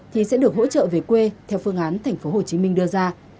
thì sẽ được hỗ trợ về quê theo phương án thành phố hồ chí minh đưa ra